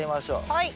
はい。